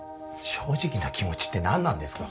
正直な気持ちって何なんですか？